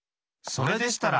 それでしたら！